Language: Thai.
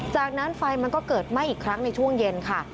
จากนั้นไฟมันก็เกิดไหม้อีกครั้งในช่วงเย็นค่ะ